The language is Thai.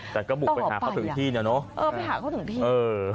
แต่ก็บุกไปหาเขาถึงที่เนี่ยเนอะเออไปหาเขาถึงที่เออ